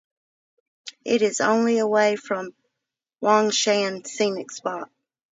It is only away from Huangshan Scenic Spot.